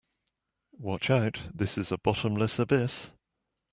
Watch out, this is a bottomless abyss!